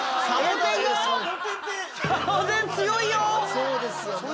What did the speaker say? そうですよね。